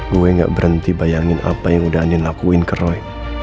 gue gak berhenti bayangin apa yang udah andin lakuin ke roy